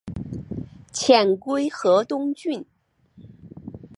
遣归河东郡。